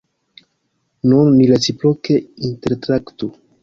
Nun ni reciproke intertraktu!